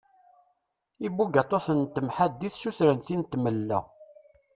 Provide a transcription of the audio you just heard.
Ibugaṭuten n temḥaddit ssutren tin tmella.